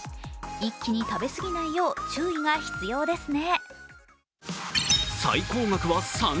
一気に食べすぎないよう注意が必要ですね。